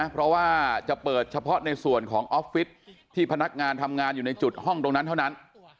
เพราะว่าจะเปิดเฉพาะในส่วนของออฟฟิศที่พนักงานทำงานอยู่ในจุดห้องตรงนั้นเท่านั้น